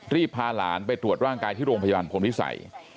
พาหลานไปตรวจร่างกายที่โรงพยาบาลพลวิสัย